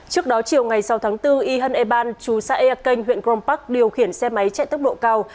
trước đó chiều ngày sáu tháng bốn yhan eban chú sae kenh huyện grom park điều khiển xe máy chạy tốc độ cao